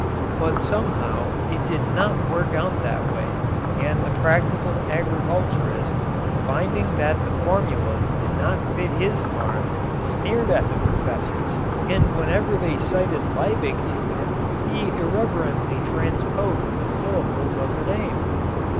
But somehow it did not work out that way and the practical agriculturist, finding that the formulas did not fit his farm, sneered at the professors and whenever they cited Liebig to him he irreverently transposed the syllables of the name.